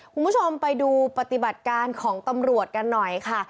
คุณผู้ชมไปดูปฏิบัติการของตำรวจกันหน่อยค่ะ